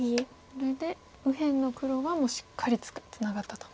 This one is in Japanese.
これで右辺の黒はもうしっかりツナがったと。